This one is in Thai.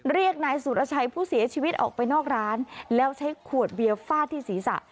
เรียกนายสุรชัยผู้เสียชีวิตออกไปนอกร้านแล้วใช้ขวดเบียร์ฟาดที่ศีรษะ